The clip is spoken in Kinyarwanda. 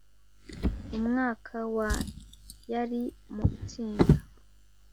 Mu mwaka wa yari mu itsinda